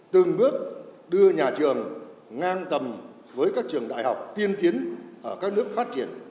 từng bước đưa nhà trường ngang tầm với các trường đại học tiên tiến ở các nước phát triển